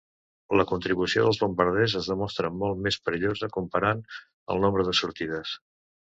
La contribució dels bombarders es demostrà molt més perillosa comparant el nombre de sortides.